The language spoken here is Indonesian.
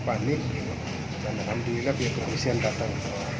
alhamdulillah biar kemisihan datang